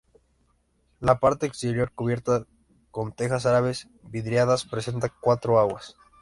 La parte exterior, cubierta con tejas árabes vidriadas, presenta cuatro aguas.